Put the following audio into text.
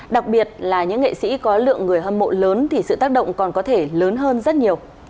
đặc biệt là những nghệ sĩ có lượng người hâm mộ lớn thì sự tác động còn có thể lớn hơn rất nhiều